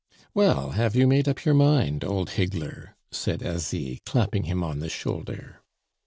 "Well, have you made up your mind, old higgler?" said Asie, clapping him on the shoulder.